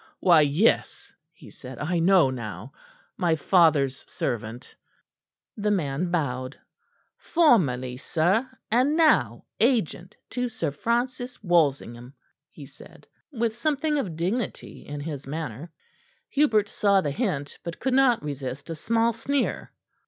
"Why, yes," he said; "I know now. My father's servant." The man bowed. "Formerly, sir; and now agent to Sir Francis Walsingham," he said, with something of dignity in his manner. Hubert saw the hint, but could not resist a small sneer.